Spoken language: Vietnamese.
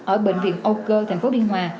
ở bệnh viện âu cơ thành phố điên hòa